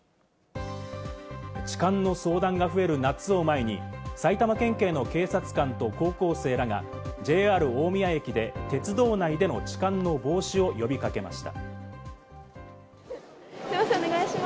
痴漢の相談が増える夏を前に、埼玉県警の警察官と高校生らがＪＲ大宮駅で鉄道内での痴漢の防止を呼び掛けました。